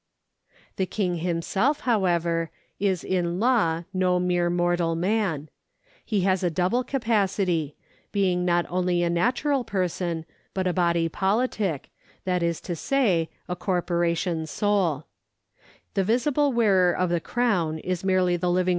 The King himself, however, is in law no mere mortal man. He has a double capacity, being not only a natural person, but a body pohtic, that is to say, a corporation sole. The visible wearer of the crown is merely the Hving.